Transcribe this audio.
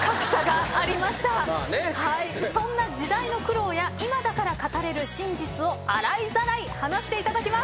そんな時代の苦労や今だから語れる真実を洗いざらい話していただきます。